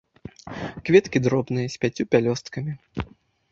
Кветкі дробныя, з пяццю пялёсткамі.